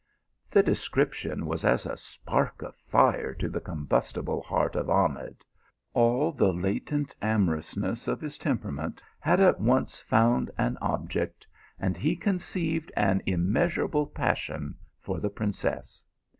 The description was as a spark of fire to the com bustible heart of Ahmed ; all the latent amorousness ol his temperament had at once found an object, and 200 THE ALHAMBRA. he conceived an immeasurable passion for the prin cess.